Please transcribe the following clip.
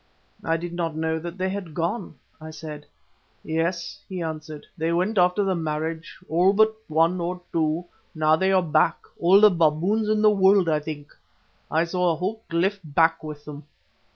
"I did not know that they had gone," I said. "Yes," he answered, "they went after the marriage, all but one or two; now they are back, all the baboons in the world, I think. I saw a whole cliff black with them."